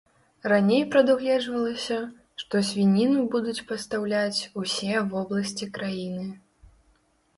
Раней прадугледжвалася, што свініну будуць пастаўляць усе вобласці краіны.